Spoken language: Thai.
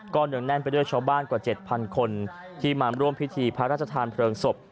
เนื่องแน่นไปด้วยชาวบ้านกว่า๗๐๐คนที่มาร่วมพิธีพระราชทานเพลิงศพ